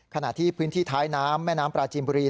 ขณะที่พื้นที่ท้ายน้ำแม่น้ำปลาจีนบุรี